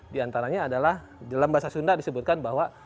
di antaranya adalah dalam bahasa sunda disebutkan bahwa